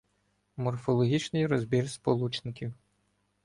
Морфологічний розбір сполучників